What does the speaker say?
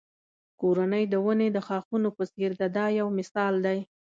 کورنۍ د ونې د ښاخونو په څېر ده دا یو مثال دی.